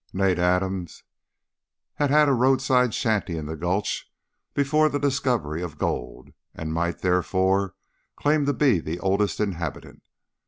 Nat Adams had had a roadside shanty in the Gulch before the discovery of gold, and might, therefore, claim to be the oldest inhabitant.